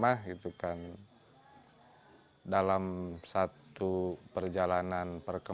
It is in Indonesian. yang kita ada di situ untuk kemadungan kita